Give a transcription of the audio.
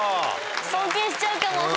尊敬しちゃうかも。